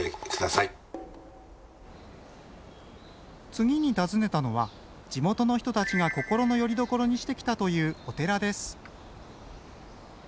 次に訪ねたのは地元の人たちが心のよりどころにしてきたというお寺です。